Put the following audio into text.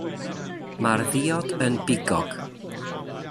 Mae'r ddiod yn bigog.